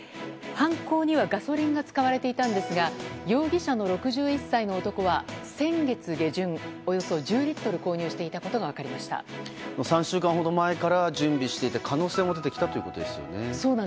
犯行にはガソリンが使われていたんですが容疑者の６１歳の男は、先月下旬およそ１０リットル購入していたことが３週間ほど前から準備していた可能性も出てきたということですよね。